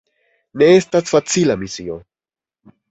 Ne estas facila misio!